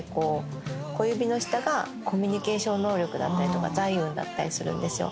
小指の下がコミュニケーション能力だったりとか財運だったりするんですよ。